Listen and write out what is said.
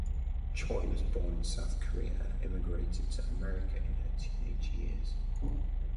Choi was born in South Korea and immigrated to America in her teenage years.